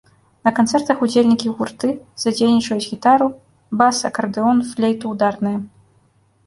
На канцэртах удзельнікі гурты задзейнічаюць гітару, бас, акардэон, флейту, ударныя.